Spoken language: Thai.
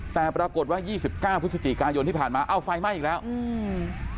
แต่ปรากฏว่ายี่สิบเก้าพฤศจิกายนที่ผ่านมาเอ้าไฟไหม้อีกแล้วอืม